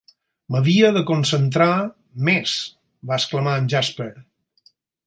"M'havia de concentrar més", va exclamar en Jasper.